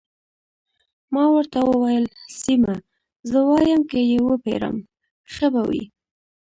ما ورته وویل: سیمه، زه وایم که يې وپېرم، ښه به وي.